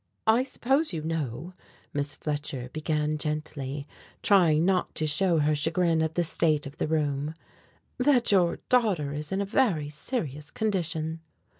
"I suppose you know," Miss Fletcher began gently, trying not to show her chagrin at the state of the room, "that your daughter is in a very serious condition."